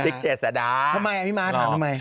ติ๊กเจ็ดสดา